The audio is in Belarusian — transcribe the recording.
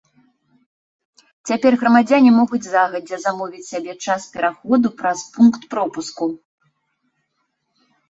Цяпер грамадзяне могуць загадзя замовіць сабе час пераходу праз пункт пропуску.